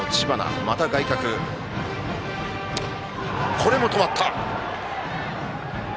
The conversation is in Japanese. これも止まった。